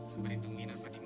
semperintung minar fatima